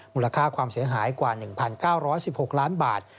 มูลค่าความเสียหายกว่า๑๙๑๖ล้านบาท